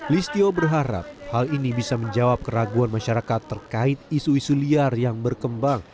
listio berharap hal ini bisa menjawab keraguan masyarakat terkait isu isu liar yang berkembang